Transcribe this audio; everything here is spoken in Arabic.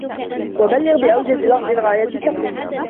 وَبَلِّغْ بِأَوْجَزِ لَفْظٍ غَايَةَ التَّقْوِيمِ